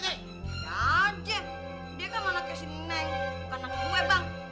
ya aja dia kan anaknya si nenek bukan anak gue bang